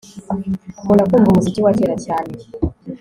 Nkunda kumva umuziki wa kera cyane